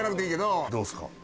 どうですか？